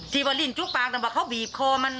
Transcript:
ทีบรินจุกปากน่ะว่าเขาบีบคอมัน